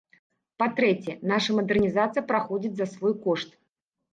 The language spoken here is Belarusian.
Па-трэцяе, наша мадэрнізацыя праходзіць за свой кошт.